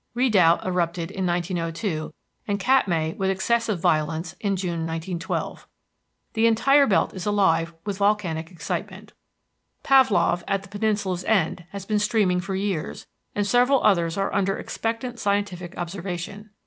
Redoubt erupted in 1902, and Katmai, with excessive violence, in June, 1912. The entire belt is alive with volcanic excitement. Pavlof, at the peninsula's end, has been steaming for years, and several others are under expectant scientific observation.